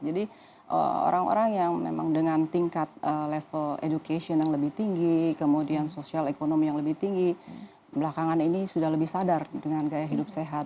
jadi orang orang yang memang dengan tingkat level education yang lebih tinggi kemudian sosial ekonomi yang lebih tinggi belakangan ini sudah lebih sadar dengan gaya hidup sehat